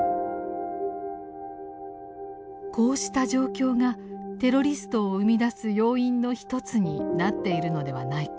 こうした状況がテロリストを生み出す要因の一つになっているのではないか。